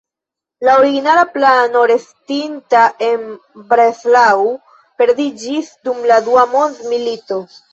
La originala plano restinta en Breslau perdiĝis dum la Dua Mondmilito.